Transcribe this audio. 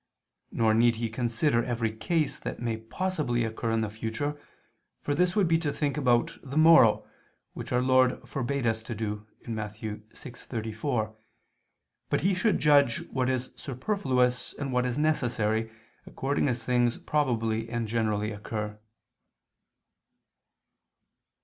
Nor need he consider every case that may possibly occur in the future, for this would be to think about the morrow, which Our Lord forbade us to do (Matt. 6:34), but he should judge what is superfluous and what necessary, according as things probably and generally occur.